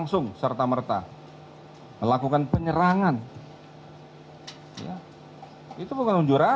saya akan mencoba